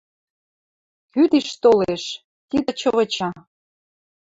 «Кӱ тиш толеш? — Титыч выча. —